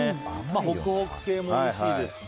ホクホク系もおいしいですし。